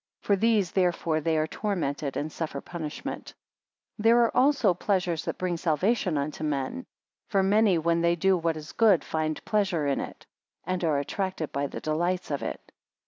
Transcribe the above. For these therefore they are tormented and suffer punishment. 42 There are also pleasures that bring salvation unto men. For many, when they do what is good, find pleasure in it, and are attracted by the delights of it.